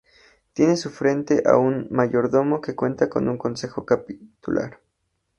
Tiene a su frente a un Mayordomo que cuenta con un Consejo Capitular.